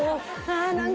あ何か。